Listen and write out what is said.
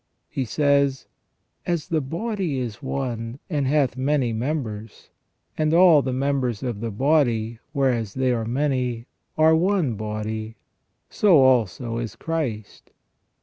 He says :As the body is one, and hath many members ; and all the members of the body, whereas they are many, are one body ; so also is Christ.